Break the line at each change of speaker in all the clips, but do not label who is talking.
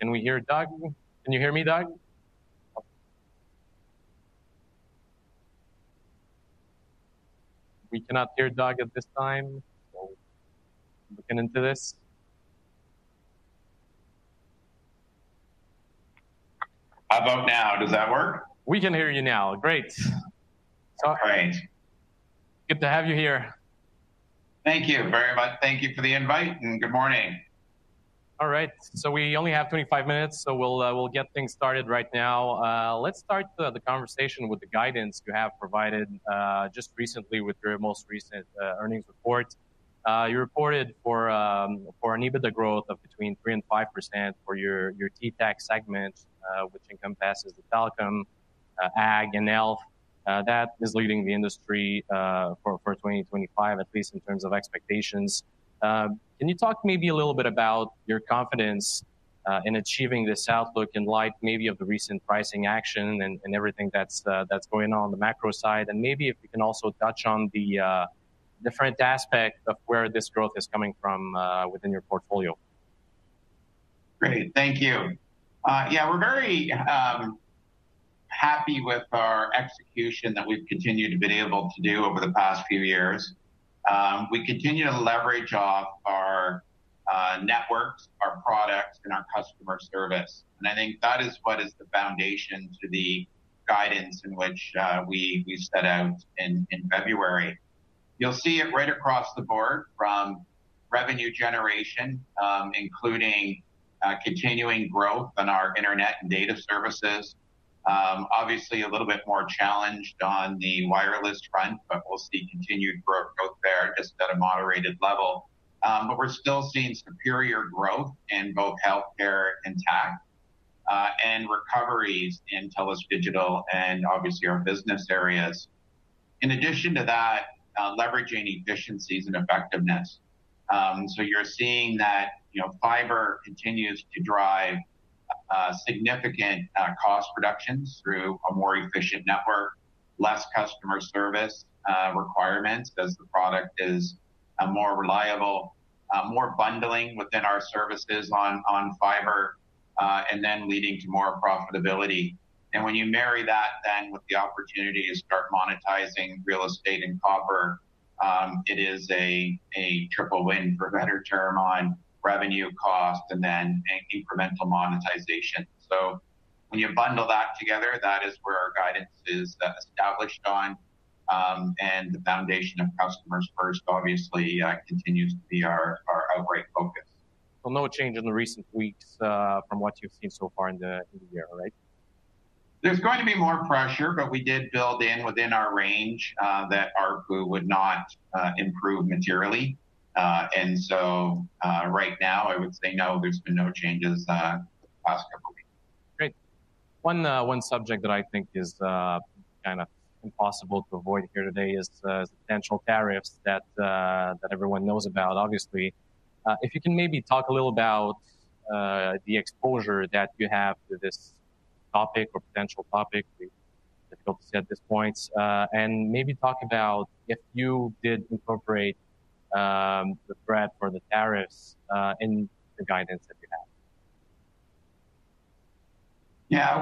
Can we hear Doug? Can you hear me, Doug? We cannot hear Doug at this time. Looking into this.
I'll vote now. Does that work? We can hear you now. Great. All right. Good to have you here. Thank you very much. Thank you for the invite and good morning. All right. We only have 25 minutes, so we'll get things started right now. Let's start the conversation with the guidance you have provided just recently with your most recent earnings report. You reported for EBITDA growth of between 3% and 5% for your TELUS segment, which encompasses the telecom, ag, and health. That is leading the industry for 2025, at least in terms of expectations. Can you talk maybe a little bit about your confidence in achieving this outlook in light maybe of the recent pricing action and everything that's going on on the macro side? Maybe if you can also touch on the different aspect of where this growth is coming from within your portfolio. Great. Thank you. Yeah, we're very happy with our execution that we've continued to be able to do over the past few years. We continue to leverage off our networks, our products, and our customer service. I think that is what is the foundation to the guidance in which we set out in February. You'll see it right across the board from revenue generation, including continuing growth on our internet and data services. Obviously, a little bit more challenged on the wireless front, but we'll see continued growth there just at a moderated level. We're still seeing superior growth in both healthcare and tech and recoveries in TELUS Digital and obviously our business areas. In addition to that, leveraging efficiencies and effectiveness. You are seeing that fiber continues to drive significant cost reductions through a more efficient network, less customer service requirements as the product is more reliable, more bundling within our services on fiber, and then leading to more profitability. When you marry that then with the opportunity to start monetizing real estate and copper, it is a triple win for a better term on revenue, cost, and then incremental monetization. When you bundle that together, that is where our guidance is established on. The foundation of customers first, obviously, continues to be our great focus. No change in the recent weeks from what you've seen so far in the year, right? There's going to be more pressure, but we did build in within our range that our ARPU would not improve materially. Right now, I would say no, there's been no changes in the past couple of weeks. Great. One subject that I think is kind of impossible to avoid here today is potential tariffs that everyone knows about, obviously. If you can maybe talk a little about the exposure that you have to this topic or potential topic, difficult to say at this point, and maybe talk about if you did incorporate the threat for the tariffs in the guidance that you have.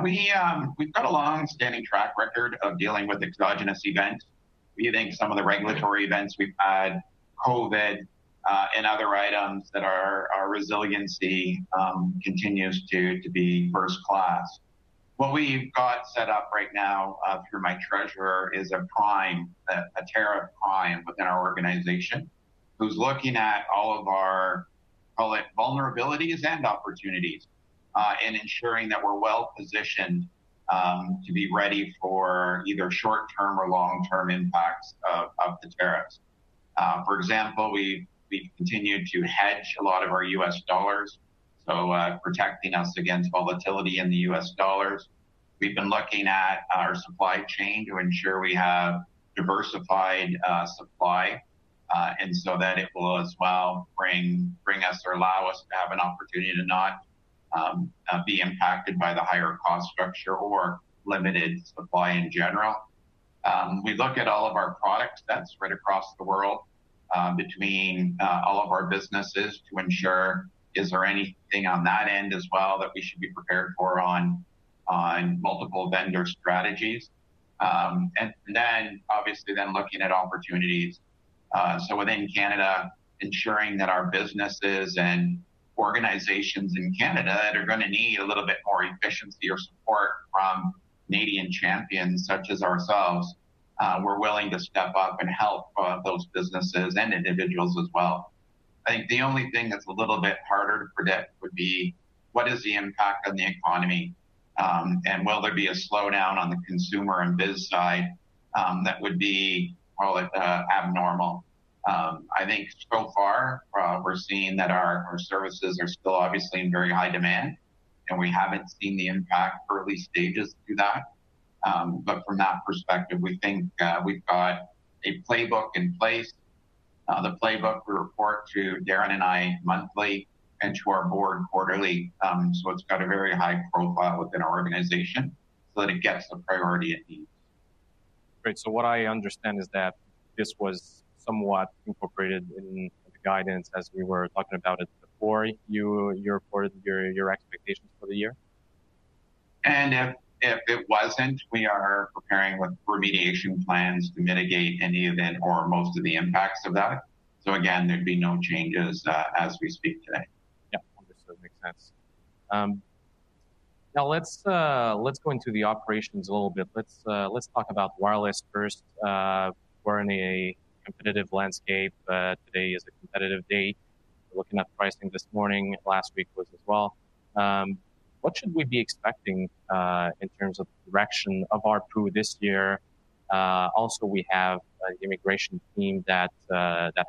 Yeah, we've got a long-standing track record of dealing with exogenous events. We think some of the regulatory events we've had, COVID and other items that our resiliency continues to be first class. What we've got set up right now through my treasurer is a tariff prime within our organization who's looking at all of our, call it vulnerabilities and opportunities, and ensuring that we're well positioned to be ready for either short-term or long-term impacts of the tariffs. For example, we've continued to hedge a lot of our US dollars, so protecting us against volatility in the US dollars. We've been looking at our supply chain to ensure we have diversified supply and so that it will as well bring us or allow us to have an opportunity to not be impacted by the higher cost structure or limited supply in general. We look at all of our product sets right across the world between all of our businesses to ensure is there anything on that end as well that we should be prepared for on multiple vendor strategies. Obviously, looking at opportunities. Within Canada, ensuring that our businesses and organizations in Canada that are going to need a little bit more efficiency or support from Canadian champions such as ourselves, we're willing to step up and help those businesses and individuals as well. I think the only thing that's a little bit harder to predict would be what is the impact on the economy and will there be a slowdown on the consumer and biz side that would be abnormal. I think so far we're seeing that our services are still obviously in very high demand and we haven't seen the impact early stages to that. From that perspective, we think we've got a playbook in place. The playbook we report to Darren and I monthly and to our board quarterly. It has a very high profile within our organization so that it gets the priority it needs. Great. What I understand is that this was somewhat incorporated in the guidance as we were talking about it before. You reported your expectations for the year. If it wasn't, we are preparing with remediation plans to mitigate any event or most of the impacts of that. There'd be no changes as we speak today. Yeah, understood. Makes sense. Now let's go into the operations a little bit. Let's talk about wireless first. We're in a competitive landscape. Today is a competitive date. We're looking at pricing this morning. Last week was as well. What should we be expecting in terms of the direction of ARPU this year? Also, we have an immigration team that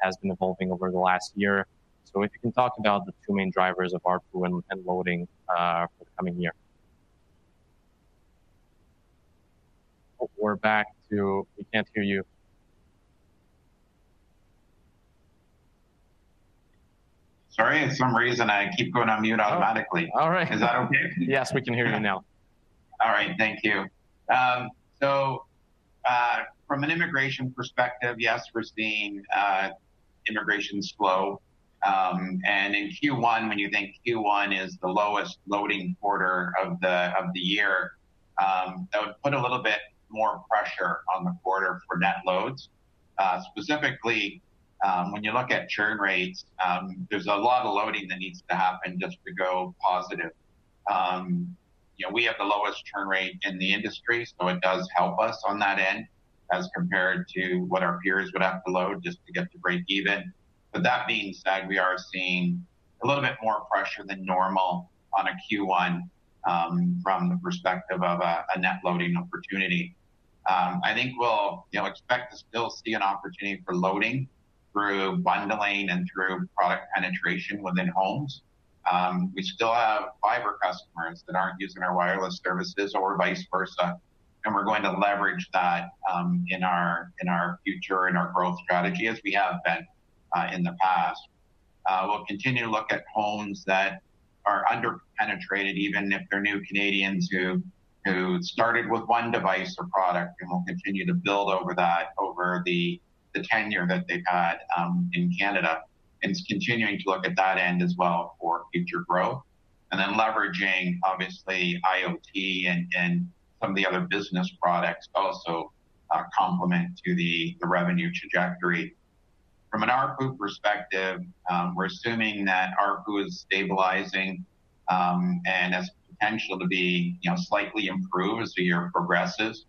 has been evolving over the last year. If you can talk about the two main drivers of ARPU and loading for the coming year. We're back to we can't hear you. Sorry, for some reason I keep going on mute automatically. All right. Is that okay? Yes, we can hear you now. All right. Thank you. From an immigration perspective, yes, we're seeing immigration slow. In Q1, when you think Q1 is the lowest loading quarter of the year, that would put a little bit more pressure on the quarter for net loads. Specifically, when you look at churn rates, there's a lot of loading that needs to happen just to go positive. We have the lowest churn rate in the industry, so it does help us on that end as compared to what our peers would have to load just to get to break even. That being said, we are seeing a little bit more pressure than normal on a Q1 from the perspective of a net loading opportunity. I think we'll expect to still see an opportunity for loading through bundling and through product penetration within homes. We still have fiber customers that are not using our wireless services or vice versa. We are going to leverage that in our future and our growth strategy as we have been in the past. We will continue to look at homes that are under-penetrated, even if they are new Canadians who started with one device or product, and we will continue to build over that over the tenure that they have had in Canada. We are continuing to look at that end as well for future growth. Leveraging, obviously, IoT and some of the other business products also complement the revenue trajectory. From an ARPU perspective, we are assuming that ARPU is stabilizing and has potential to be slightly improved as the year progresses.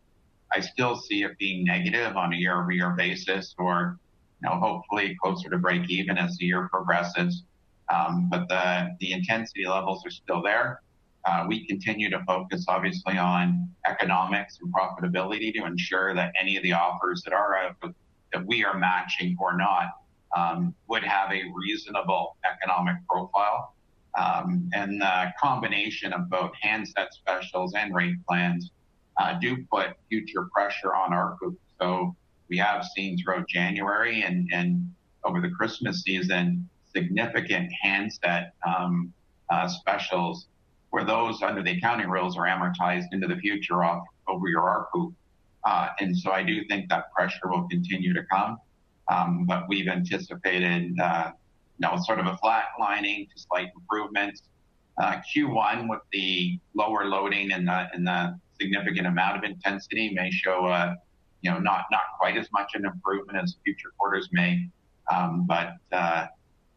I still see it being negative on a year-over-year basis or hopefully closer to break even as the year progresses. The intensity levels are still there. We continue to focus, obviously, on economics and profitability to ensure that any of the offers that we are matching or not would have a reasonable economic profile. The combination of both handset specials and rate plans do put future pressure on our ARPU. We have seen throughout January and over the Christmas season significant handset specials where those under the accounting rules are amortized into the future over your ARPU. I do think that pressure will continue to come. We have anticipated sort of a flat lining to slight improvements. Q1 with the lower loading and the significant amount of intensity may show not quite as much an improvement as future quarters may, but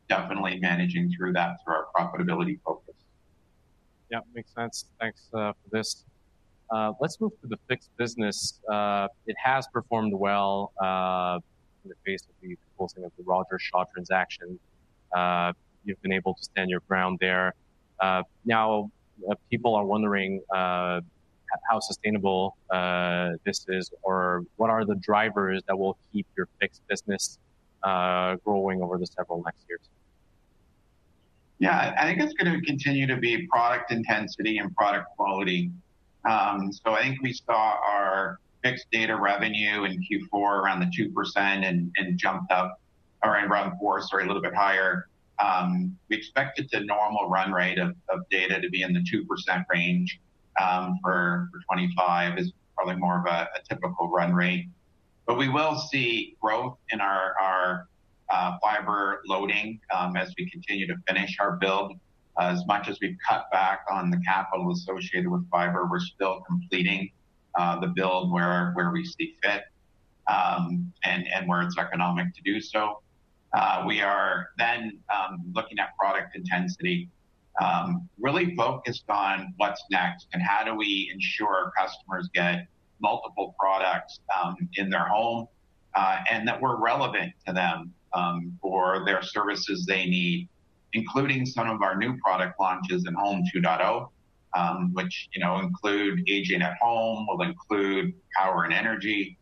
definitely managing through that through our profitability focus. Yeah, makes sense. Thanks for this. Let's move to the fixed business. It has performed well in the case of the closing of the Rogers Shaw transaction. You've been able to stand your ground there. Now, people are wondering how sustainable this is or what are the drivers that will keep your fixed business growing over the several next years? Yeah, I think it's going to continue to be product intensity and product quality. I think we saw our fixed data revenue in Q4 around the 2% and jumped up or around 4%, sorry, a little bit higher. We expected the normal run rate of data to be in the 2% range for 2025 is probably more of a typical run rate. We will see growth in our fiber loading as we continue to finish our build. As much as we've cut back on the capital associated with fiber, we're still completing the build where we see fit and where it's economic to do so. We are then looking at product intensity, really focused on what's next and how do we ensure our customers get multiple products in their home and that we're relevant to them for their services they need, including some of our new product launches in Home 2.0, which include aging at home, will include power and energy,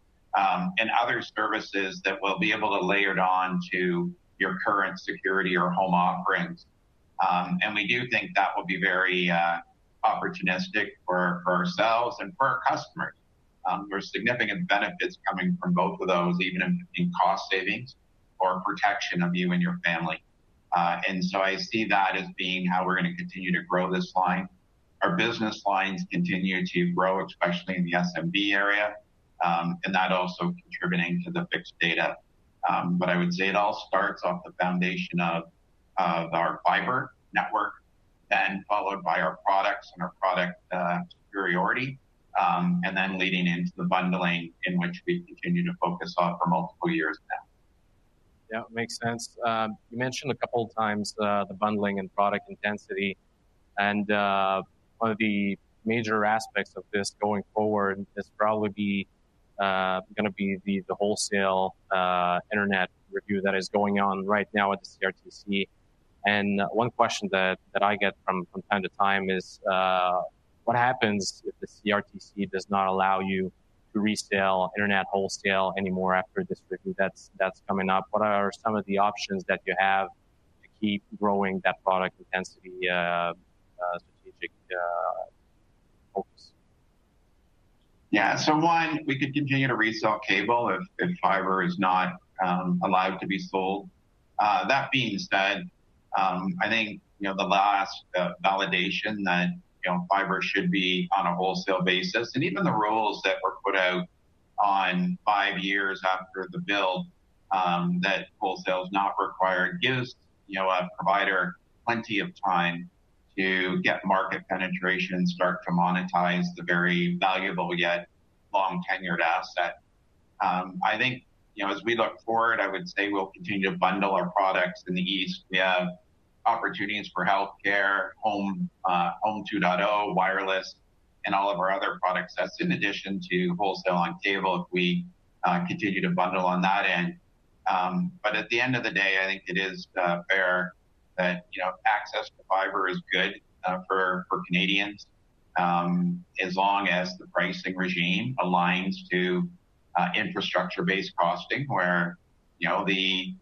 and other services that will be able to layer it on to your current security or home offerings. We do think that will be very opportunistic for ourselves and for our customers. There are significant benefits coming from both of those, even in cost savings or protection of you and your family. I see that as being how we're going to continue to grow this line. Our business lines continue to grow, especially in the SMB area, and that also contributing to the fixed data. I would say it all starts off the foundation of our fiber network, then followed by our products and our product superiority, and then leading into the bundling in which we continue to focus on for multiple years now. Yeah, makes sense. You mentioned a couple of times the bundling and product intensity. One of the major aspects of this going forward is probably going to be the wholesale internet review that is going on right now at the CRTC. One question that I get from time to time is, what happens if the CRTC does not allow you to resell internet wholesale anymore after this review that is coming up? What are some of the options that you have to keep growing that product intensity strategic focus? Yeah, so one, we could continue to resell cable if fiber is not allowed to be sold. That being said, I think the last validation that fiber should be on a wholesale basis and even the rules that were put out on five years after the build that wholesale is not required gives a provider plenty of time to get market penetration and start to monetize the very valuable yet long-tenured asset. I think as we look forward, I would say we'll continue to bundle our products in the east. We have opportunities for healthcare, Home 2.0, wireless, and all of our other products that's in addition to wholesale on cable if we continue to bundle on that end. At the end of the day, I think it is fair that access to fiber is good for Canadians as long as the pricing regime aligns to infrastructure-based costing where the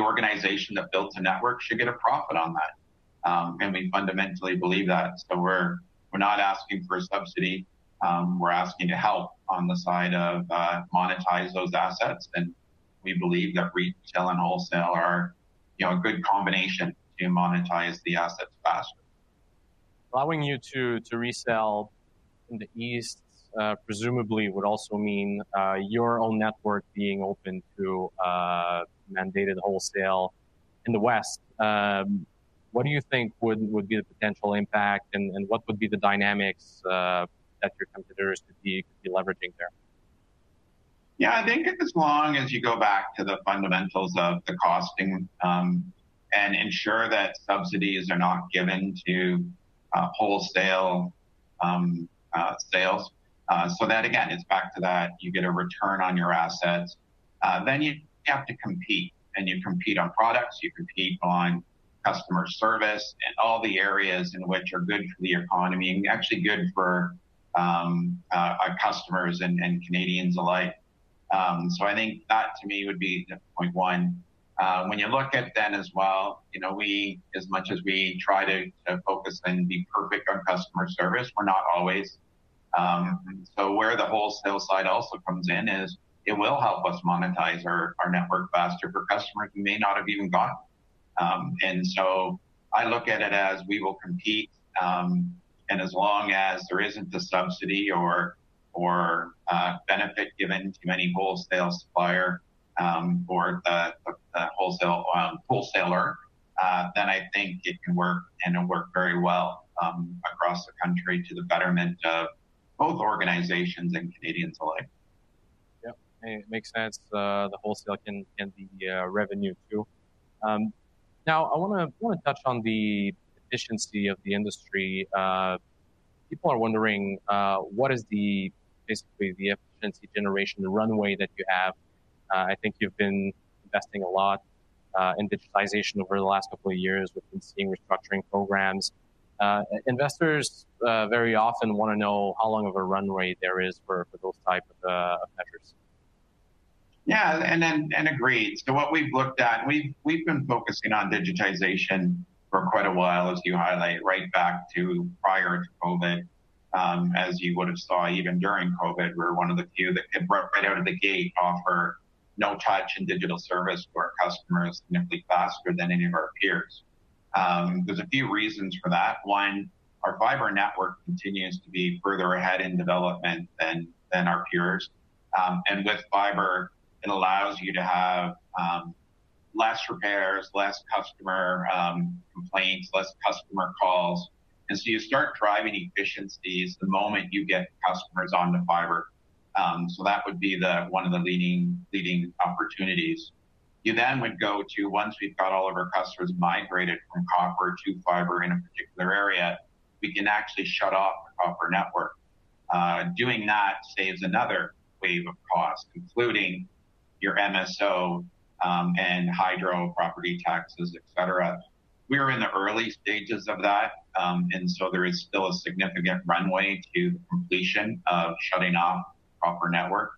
organization that built the network should get a profit on that. We fundamentally believe that. We are not asking for a subsidy. We are asking to help on the side of monetize those assets. We believe that retail and wholesale are a good combination to monetize the assets faster. Allowing you to resell in the east presumably would also mean your own network being open to mandated wholesale in the west. What do you think would be the potential impact and what would be the dynamics that your competitors could be leveraging there? Yeah, I think as long as you go back to the fundamentals of the costing and ensure that subsidies are not given to wholesale sales. That, again, it's back to that you get a return on your assets. You have to compete. You compete on products. You compete on customer service and all the areas in which are good for the economy and actually good for our customers and Canadians alike. I think that to me would be the point one. When you look at then as well, as much as we try to focus and be perfect on customer service, we're not always. Where the wholesale side also comes in is it will help us monetize our network faster for customers who may not have even gotten. I look at it as we will compete. As long as there isn't a subsidy or benefit given to many wholesale suppliers or the wholesaler, then I think it can work and it'll work very well across the country to the betterment of both organizations and Canadians alike. Yeah, it makes sense. The wholesale can be revenue too. Now, I want to touch on the efficiency of the industry. People are wondering what is basically the efficiency generation runway that you have. I think you've been investing a lot in digitization over the last couple of years. We've been seeing restructuring programs. Investors very often want to know how long of a runway there is for those types of measures. Yeah, agreed. What we've looked at, we've been focusing on digitization for quite a while, as you highlight, right back to prior to COVID, as you would have saw even during COVID, where one of the few that could right out of the gate offer no touch in digital service to our customers significantly faster than any of our peers. There are a few reasons for that. One, our fiber network continues to be further ahead in development than our peers. With fiber, it allows you to have fewer repairs, fewer customer complaints, fewer customer calls. You start driving efficiencies the moment you get customers onto fiber. That would be one of the leading opportunities. Once we've got all of our customers migrated from copper to fiber in a particular area, we can actually shut off the copper network. Doing that saves another wave of costs, including your MSO and hydro property taxes, etc. We are in the early stages of that. There is still a significant runway to completion of shutting off the copper network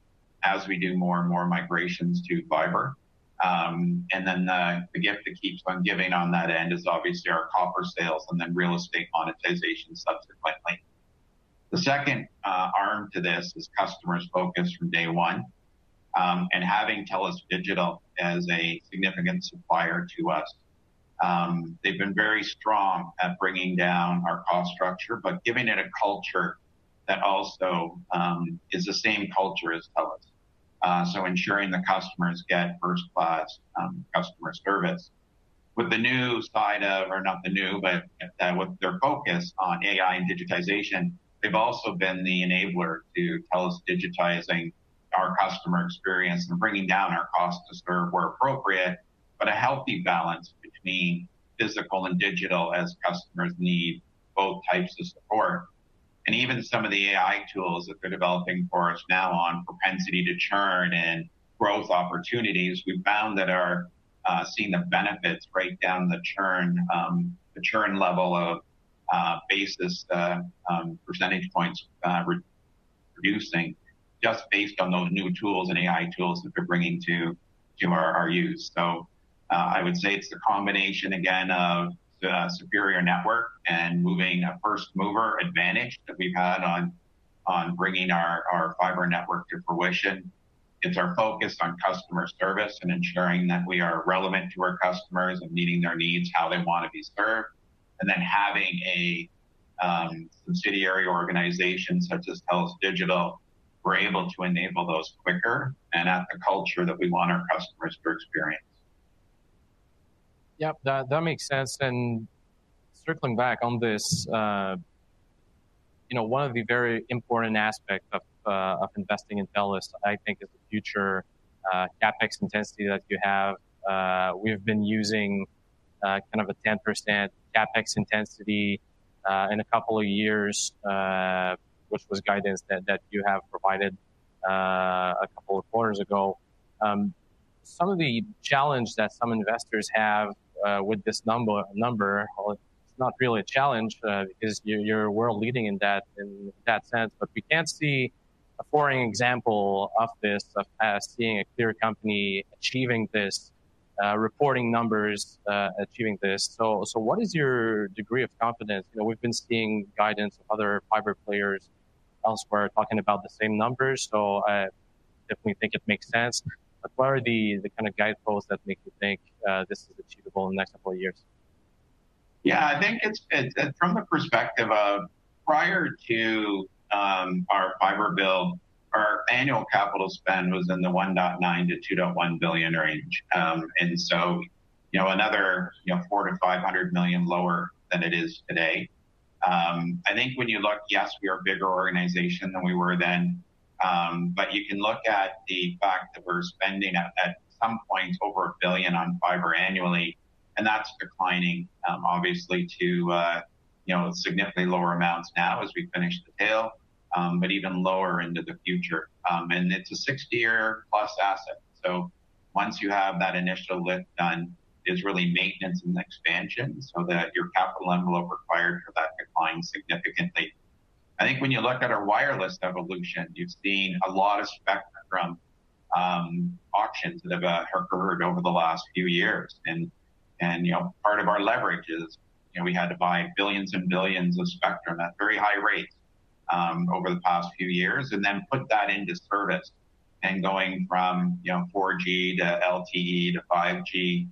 as we do more and more migrations to fiber. The gift that keeps on giving on that end is obviously our copper sales and then real estate monetization subsequently. The second arm to this is customers' focus from day one and having TELUS Digital as a significant supplier to us. They've been very strong at bringing down our cost structure, but giving it a culture that also is the same culture as TELUS. Ensuring the customers get first-class customer service. With the new side of, or not the new, but with their focus on AI and digitization, they've also been the enabler to TELUS digitizing our customer experience and bringing down our cost to serve where appropriate, but a healthy balance between physical and digital as customers need both types of support. Even some of the AI tools that they're developing for us now on propensity to churn and growth opportunities, we've found that are seeing the benefits break down the churn level of basis percentage points producing just based on those new tools and AI tools that they're bringing to our use. I would say it's the combination, again, of superior network and moving a first mover advantage that we've had on bringing our fiber network to fruition. It's our focus on customer service and ensuring that we are relevant to our customers and meeting their needs, how they want to be served. Having a subsidiary organization such as TELUS Digital, we're able to enable those quicker and at the culture that we want our customers to experience. Yep, that makes sense. Circling back on this, one of the very important aspects of investing in TELUS, I think, is the future CapEx intensity that you have. We've been using kind of a 10% CapEx intensity in a couple of years, which was guidance that you have provided a couple of quarters ago. Some of the challenge that some investors have with this number, it's not really a challenge because you're world leading in that sense, but we can't see a foreign example of this, of seeing a clear company achieving this, reporting numbers achieving this. What is your degree of confidence? We've been seeing guidance of other fiber players elsewhere talking about the same numbers. I definitely think it makes sense. What are the kind of guideposts that make you think this is achievable in the next couple of years? Yeah, I think from the perspective of prior to our fiber build, our annual capital spend was in the 1.9 billion-2.1 billion range. Another 400 million-500 million lower than it is today. I think when you look, yes, we are a bigger organization than we were then. You can look at the fact that we're spending at some point over 1 billion on fiber annually, and that's declining, obviously, to significantly lower amounts now as we finish the tail, but even lower into the future. It's a 60-year-plus asset. Once you have that initial lift done, it's really maintenance and expansion so that your capital envelope required for that declines significantly. I think when you look at our wireless evolution, you've seen a lot of spectrum auctions that have occurred over the last few years. Part of our leverage is we had to buy billions and billions of spectrum at very high rates over the past few years and then put that into service. Going from 4G to LTE to 5G,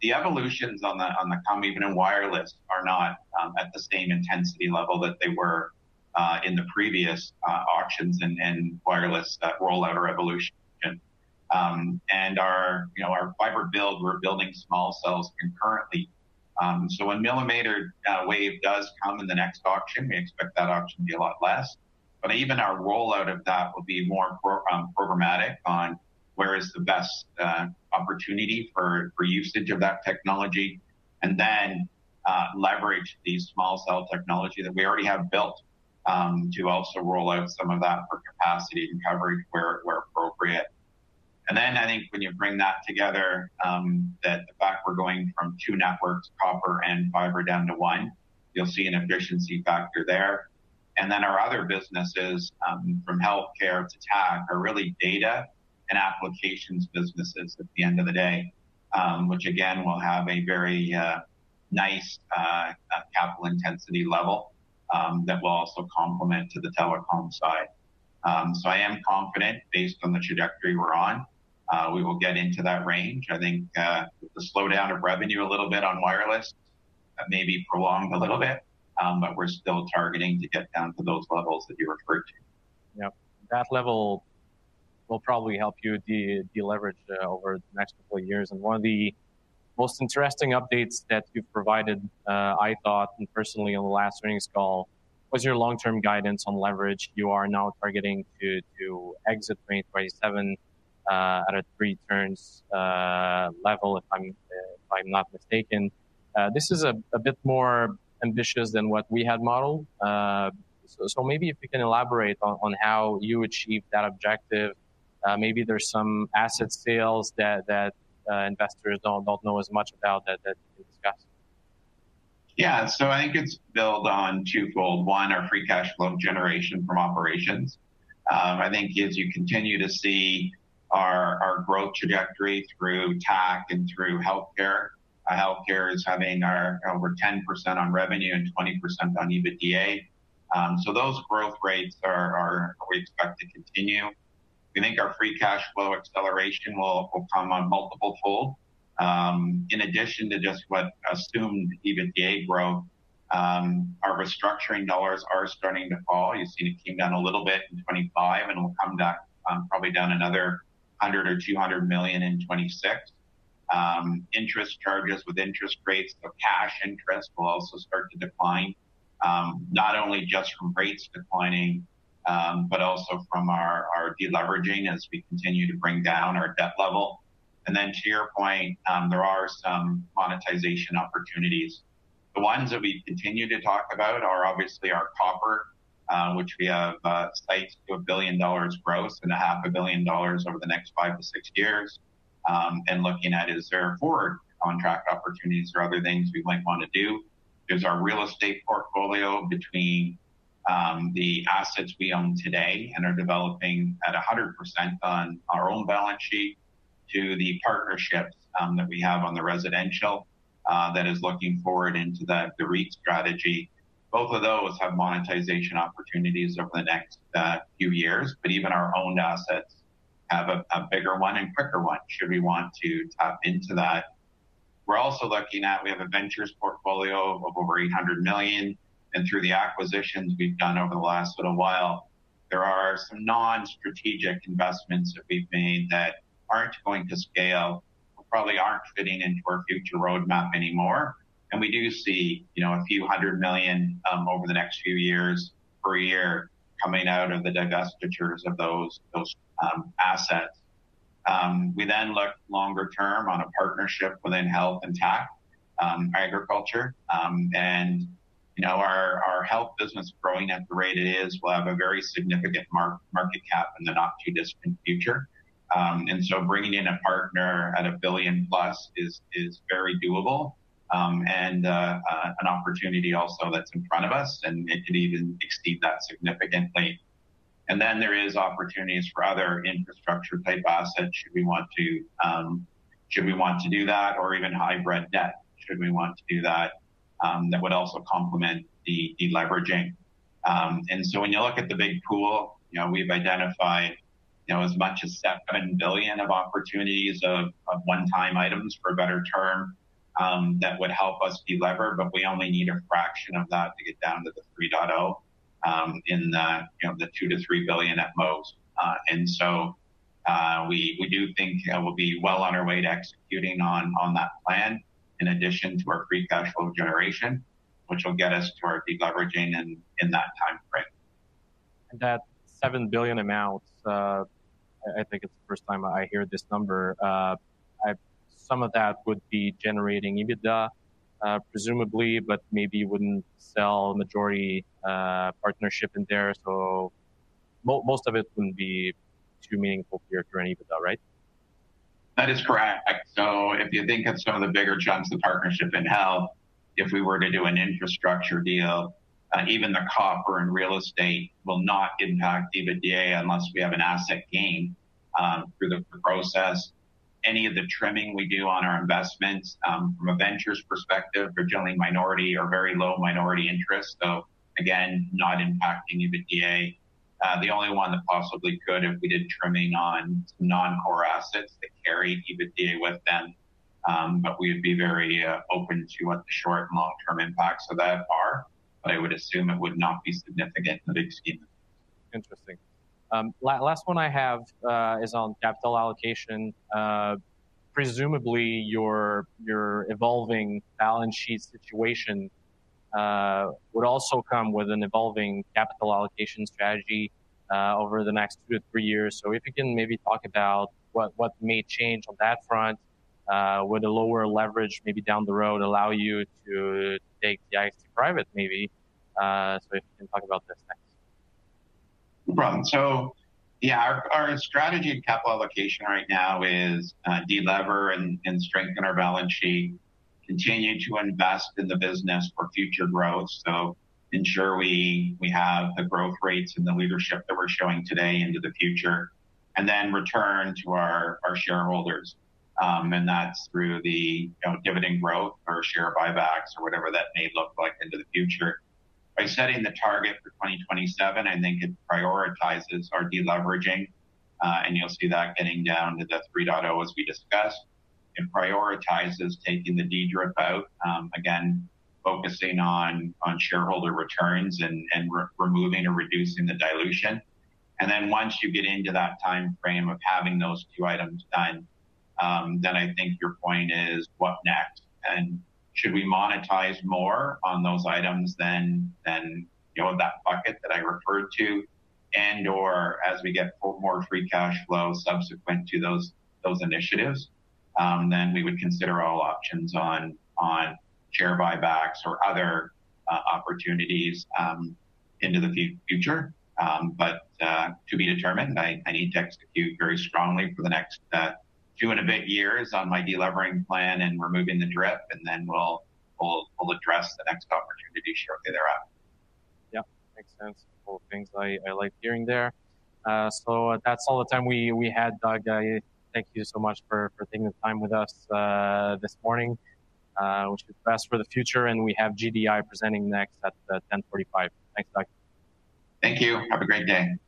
the evolutions on the come, even in wireless, are not at the same intensity level that they were in the previous auctions and wireless rollout or evolution. Our fiber build, we're building small cells concurrently. When millimeter wave does come in the next auction, we expect that auction to be a lot less. Even our rollout of that will be more programmatic on where is the best opportunity for usage of that technology and then leverage the small cell technology that we already have built to also roll out some of that for capacity and coverage where appropriate. I think when you bring that together, the fact we're going from two networks, copper and fiber, down to one, you'll see an efficiency factor there. Our other businesses from healthcare to tech are really data and applications businesses at the end of the day, which again, will have a very nice capital intensity level that will also complement to the telecom side. I am confident based on the trajectory we're on, we will get into that range. I think the slowdown of revenue a little bit on wireless may be prolonged a little bit, but we're still targeting to get down to those levels that you referred to. Yep, that level will probably help you deleverage over the next couple of years. One of the most interesting updates that you've provided, I thought, and personally on the last earnings call, was your long-term guidance on leverage. You are now targeting to exit 2027 at a three-turns level, if I'm not mistaken. This is a bit more ambitious than what we had modeled. Maybe if you can elaborate on how you achieved that objective, maybe there's some asset sales that investors don't know as much about that you can discuss. Yeah, I think it's built on twofold. One, our free cash flow generation from operations. I think as you continue to see our growth trajectory through tech and through healthcare, healthcare is having over 10% on revenue and 20% on EBITDA. Those growth rates are we expect to continue. We think our free cash flow acceleration will come on multiple fold. In addition to just what assumed EBITDA growth, our restructuring dollars are starting to fall. You see it came down a little bit in 2025 and will come back probably down another 100 million or 200 million in 2026. Interest charges with interest rates of cash interest will also start to decline, not only just from rates declining, but also from our deleveraging as we continue to bring down our debt level. To your point, there are some monetization opportunities. The ones that we continue to talk about are obviously our copper, which we have sites to $1 billion gross and $500,000,000 over the next five to six years. Looking at is there forward contract opportunities or other things we might want to do. There is our real estate portfolio between the assets we own today and are developing at 100% on our own balance sheet to the partnerships that we have on the residential that is looking forward into the REIT strategy. Both of those have monetization opportunities over the next few years, but even our owned assets have a bigger one and quicker one should we want to tap into that. We are also looking at we have a ventures portfolio of over $800 million. Through the acquisitions we have done over the last little while, there are some non-strategic investments that we have made that are not going to scale, probably are not fitting into our future roadmap anymore. We do see a few hundred million over the next few years per year coming out of the divestitures of those assets. We then look longer term on a partnership within health and tech, agriculture. Our health business growing at the rate it is will have a very significant market cap in the not too distant future. Bringing in a partner at a billion plus is very doable and an opportunity also that is in front of us and it could even exceed that significantly. There are opportunities for other infrastructure type assets should we want to do that or even hybrid debt should we want to do that that would also complement the leveraging. When you look at the big pool, we've identified as much as 7 billion of opportunities of one-time items for a better term that would help us deliver, but we only need a fraction of that to get down to the 3.0 in the 2 billion-3 billion at most. We do think we'll be well on our way to executing on that plan in addition to our free cash flow generation, which will get us to our deleveraging in that time frame. That $7 billion amount, I think it's the first time I hear this number. Some of that would be generating EBITDA, presumably, but maybe wouldn't sell majority partnership in there. Most of it wouldn't be too meaningful for your current EBITDA, right? That is correct. If you think of some of the bigger chunks of partnership in health, if we were to do an infrastructure deal, even the copper and real estate will not impact EBITDA unless we have an asset gain through the process. Any of the trimming we do on our investments from a ventures perspective for generally minority or very low minority interest, though, again, not impacting EBITDA. The only one that possibly could if we did trimming on non-core assets that carry EBITDA with them, we would be very open to what the short and long-term impacts of that are. I would assume it would not be significant to the exceedance. Interesting. Last one I have is on capital allocation. Presumably, your evolving balance sheet situation would also come with an evolving capital allocation strategy over the next two to three years. If you can maybe talk about what may change on that front, would a lower leverage maybe down the road allow you to take the TI private maybe? If you can talk about this next. No problem. Yeah, our strategy and capital allocation right now is delever and strengthen our balance sheet, continue to invest in the business for future growth. Ensure we have the growth rates and the leadership that we're showing today into the future, and then return to our shareholders. That's through the dividend growth or share buybacks or whatever that may look like into the future. By setting the target for 2027, I think it prioritizes our deleveraging, and you'll see that getting down to the 3.0 as we discussed. It prioritizes taking the DDRIP out, again, focusing on shareholder returns and removing or reducing the dilution. Once you get into that time frame of having those few items done, I think your point is what next? Should we monetize more on those items than that bucket that I referred to? As we get more free cash flow subsequent to those initiatives, we would consider all options on share buybacks or other opportunities into the future. To be determined, I need to execute very strongly for the next two and a bit years on my delivering plan and removing the drip, and then we'll address the next opportunity shortly thereafter. Yep, makes sense. Cool things I like hearing there. That is all the time we had, Doug. Thank you so much for taking the time with us this morning, which is best for the future. We have GDI presenting next at 10:45. Thanks, Doug. Thank you. Have a great day.